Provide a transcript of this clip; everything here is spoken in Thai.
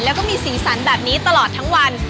แล้วก็มีสีสันแบบนี้ตลอดทั้งวัน